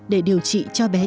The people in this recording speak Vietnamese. để điều trị cho bé tít